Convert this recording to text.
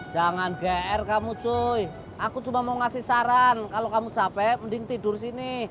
jangan gr kamu joy aku cuma mau ngasih saran kalau kamu capek mending tidur sini